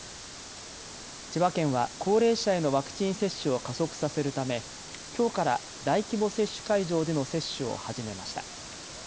千葉県は高齢者へのワクチン接種を加速させるためきょうから大規模接種会場での接種を始めました。